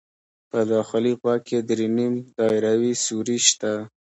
په داخلي غوږ کې درې نیم دایروي سوري شته.